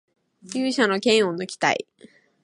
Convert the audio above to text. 勇者の剣をぬきたい